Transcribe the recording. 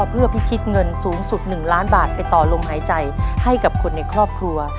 เพื่อพิชิตเงินสูงสุด๑ล้านบาทไปต่อลมหายใจให้กับคนในครอบครัว